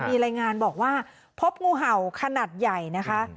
มีรายงานบอกว่าพบงูเห่าขนาดใหญ่นะคะ